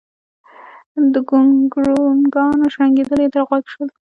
د ګونګرونګانو شړنګېدل يې تر غوږ شول